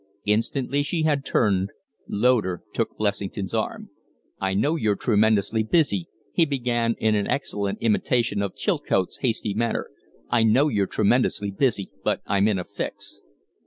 Instantly she had turned Loder took Blessington's arm. "I know you're tremendously busy," he began in an excellent imitation of Chilcote's hasty manner "I know you're tremendously busy, but I'm in a fix."